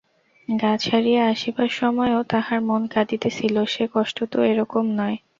গাঁ ছাড়িয়া আসিবার সময়ও তাহার মন কাঁদিতেছিল, সে কষ্ট তো এরকম নয়?